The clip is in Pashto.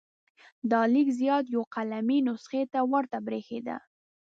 دا لیک زیات یوه قلمي نسخه ته ورته بریښېده.